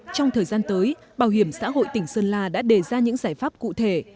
trong thời gian tới bảo hiểm xã hội tỉnh sơn la đã đề ra những giải pháp cụ thể